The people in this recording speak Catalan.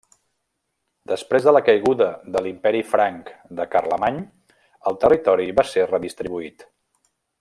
Després de la caiguda de l'imperi franc de Carlemany el territori va ser redistribuït.